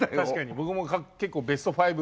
僕も結構ベスト５。